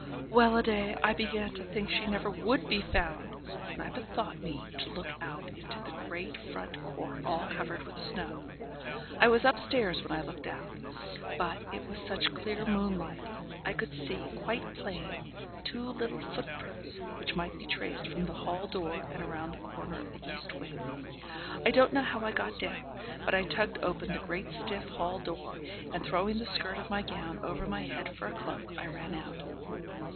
Well a day! I began to think she never would be found, when I bethought me to look into the great front court, all covered with snow. I was upstairs when I looked out; but, it was such clear moonlight, I could see, quite plain, two little footprints, which might be traced from the hall door and round the corner of the east wing. I don't know how I got down, but I tugged open the great stiff hall door, and, throwing the skirt of my gown over my head for a cloak, I ran out.